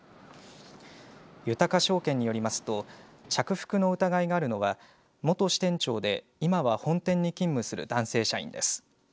豊証券によりますと着服の疑いがあるのは元支店長で今は本店に勤務する男性社員です。